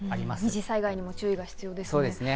二次災害にも注意が必要ですね。